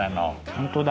本当だ。